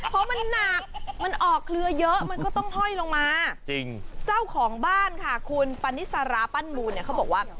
เพราะมันหนักมันออกเครือเยอะมันก็ต้องห้อยลงมาจริงเจ้าของบ้านค่ะคุณปานิสาราปั้นมูลเนี่ยเขาบอกว่า